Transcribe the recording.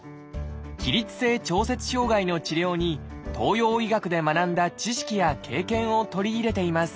起立性調節障害の治療に東洋医学で学んだ知識や経験を取り入れています。